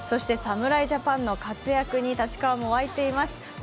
そして侍ジャパンの活躍に立川も沸いています。